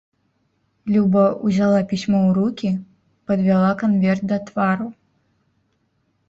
Люба ўзяла пісьмо ў рукі, падвяла канверт да твару.